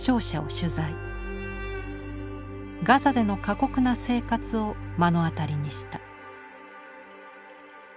ガザでの過酷な生活を目の当たりにした。